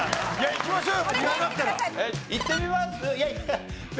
いきましょう！